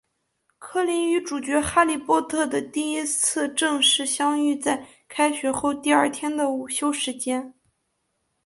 柯林与主角哈利波特的第一次正式相遇在开学后第二天的午休时间。